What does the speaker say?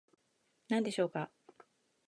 何でしょうか